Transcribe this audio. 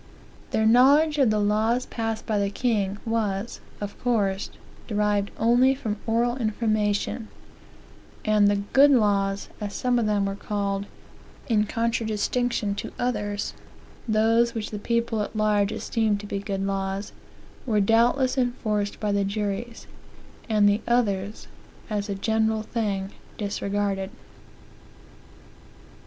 Their knowledge of the laws passed by the king was, of course, derived only from oral information; and the good laws,"as some of them were called, in contradistinction to others those which the people at large esteemed to be good laws were doubtless enforced by the juries, and the others, as a general thing, disregarded.